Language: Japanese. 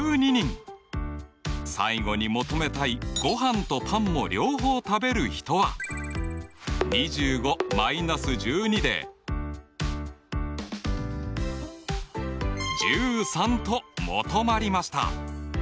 最後に求めたいごはんとパンも両方食べる人は２５−１２で１３と求まりました。